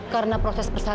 karena proses perspiraan